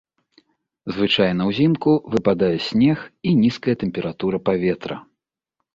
Звычайна ўзімку выпадае снег і нізкая тэмпература паветра.